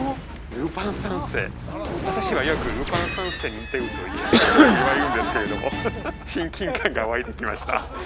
ルパン三世私はよくルパン三世に似てるとよく言われるんですけれどハハハッ親近感が湧いてきました